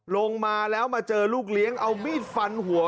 ลงมาแล้วมาเจอลูกเลี้ยงเอามีดฟันหัว